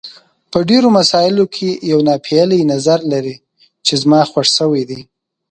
په ډېرو مسایلو کې یو ناپېیلی نظر لري چې زما خوښ شوی دی.